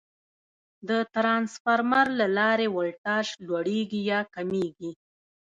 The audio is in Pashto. د ترانسفارمر له لارې ولټاژ لوړېږي یا کمېږي.